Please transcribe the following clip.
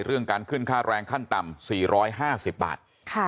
เรื่องการขึ้นค่าแรงขั้นต่ำ๔๕๐บาท